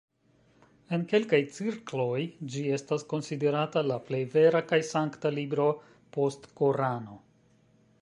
En kelkaj cirkloj ĝi estas konsiderata la plej vera kaj sankta libro post Korano.